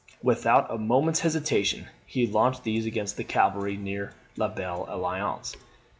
Without a moment's hesitation he launched these against the cavalry near La Belie Alliance.